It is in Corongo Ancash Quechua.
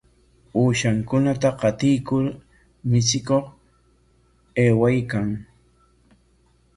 Ushankunata qatirkur michikuq aywaykan.